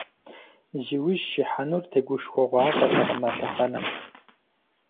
Зи ужь сихьэнур тегушхуэгъуафӀэтэкъым а лъэхъэнэм.